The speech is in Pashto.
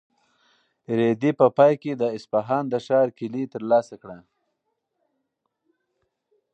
رېدي په پای کې د اصفهان د ښار کیلي ترلاسه کړه.